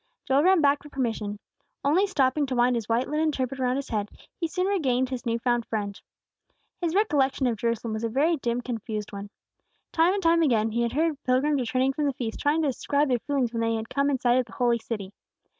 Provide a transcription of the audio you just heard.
Joel ran back for permission. Only stopping to wind his white linen turban around his head, he soon regained his new found friend. His recollection of Jerusalem was a very dim, confused one. Time and time again he had heard pilgrims returning from the feasts trying to describe their feelings when they had come in sight of the Holy City.